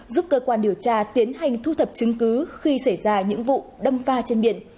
giúp cơ quan điều tra tiến hành thu thập chứng cứ khi xảy ra những vụ đâm pha trên biển